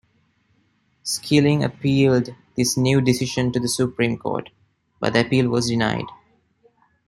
Skilling appealed this new decision to the Supreme Court, but the appeal was denied.